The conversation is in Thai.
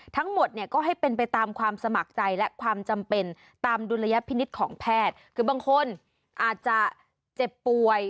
ทั้งหมดเนี่ยก็ให้เป็นไปตามความสมัครใจและความจำเป็นตามดุลยพินิษฐ์ของแพทย์คือบางคนอาจจะเจ็บป่วย